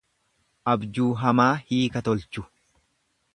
Abjuu hamaa hiika tolchu.